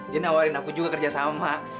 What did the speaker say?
dia nawarin aku juga kerja sama